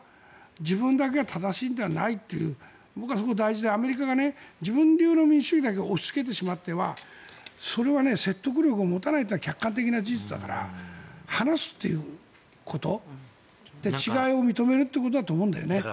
自分だけが正しいのではないという僕はそこは大事でアメリカが自分流の民主主義だけ押しつけてしまってはそれは説得力を持たないというのは客観的な事実だから話すということ違いを認めることだと思うんだよね。